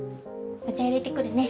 お茶入れてくるね。